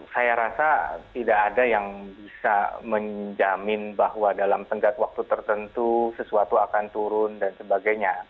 saya rasa tidak ada yang bisa menjamin bahwa dalam tenggat waktu tertentu sesuatu akan turun dan sebagainya